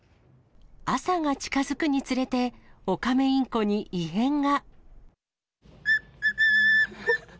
朝が近づくにつれて、オカメインコに異変が。